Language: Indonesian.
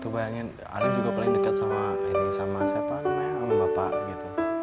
bayangin arief juga paling dekat sama ini sama siapa namanya sama bapak gitu